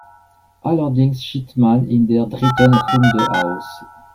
Allerdings schied man in der dritten Runde aus.